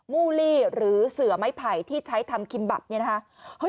มูลลี่หรือเสือไม้ไผ่ที่ใช้ทำคิมบับเนี่ยนะคะ